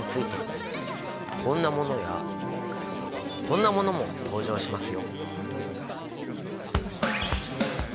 こんなものやこんなものも登場しますよ。